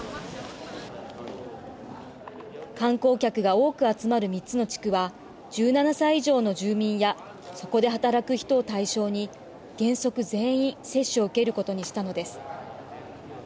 観光客が多く集まる３つの地区は１７歳以上の住民やそこで働く人を対象に原則全員接種を受けることにしたのです。